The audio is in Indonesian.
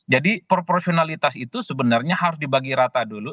jadi proporsionalitas itu sebenarnya harus dibagi rata dulu